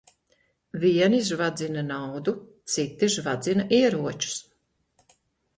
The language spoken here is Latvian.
Vieni žvadzina naudu, citi žvadzina ieročus.